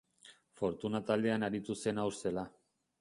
Fortuna taldean aritu zen haur zela.